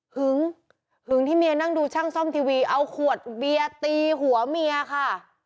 หึงที่เมียนั่งดูช่างซ่อมทีวีเอาขวดเบียร์ตีหัวเมียค่ะ